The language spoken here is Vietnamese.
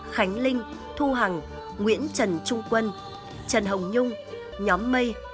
khánh linh thu hằng nguyễn trần trung quân trần hồng nhung nhóm mây